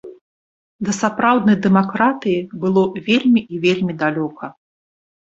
Да сапраўднай дэмакратыі было вельмі і вельмі далёка.